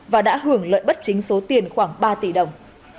giả hưởng lợi bất chính số tiền khoảng ba tỷ đồng